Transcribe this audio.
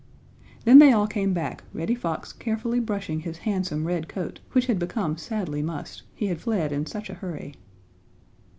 Then they all came back, Reddy Fox carefully brushing his handsome red coat which had become sadly mussed, he had fled in such a hurry.